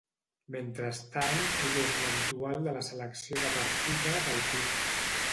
Mentrestant ell és un habitual de la selecció de partida del club.